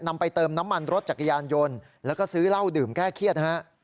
ไปเติมน้ำมันรถจักรยานยนต์แล้วก็ซื้อเหล้าดื่มแก้เครียดนะฮะ